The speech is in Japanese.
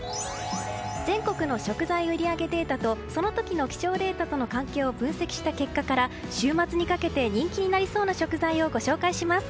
全国の食材売り上げデータとその時の気象データとの関係を分析した結果から週末にかけて人気になりそうな食材をご紹介します。